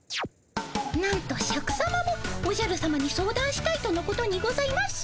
なんとシャクさまもおじゃるさまに相談したいとのことにございます。